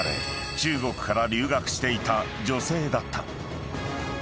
中国から留学していた女性だった］